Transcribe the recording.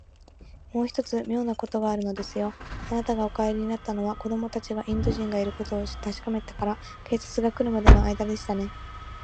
もう一つ、みょうなことがあるのですよ。あなたがお帰りになったのは、子どもたちがインド人がいることをたしかめてから、警官がくるまでのあいだでしたね。